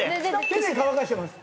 手で乾かしてます。